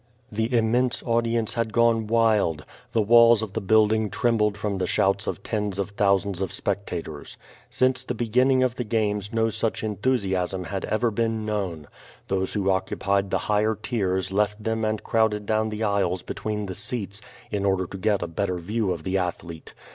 The immense audience had gone wild. The walls of the building trembled from the shouts of tens of thousands of spectators. Since the beginning of the games no such en thusiasm had ever been known. Those who occupied the higher tiers left them and crowded down the aisles between the seats, in order to get a better view of the athlete.